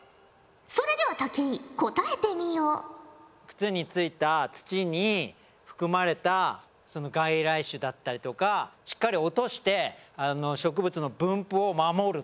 靴に付いた土に含まれた外来種だったりとかしっかり落として植物の分布を守るため。